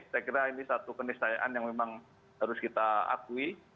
saya kira ini satu keniscayaan yang memang harus kita akui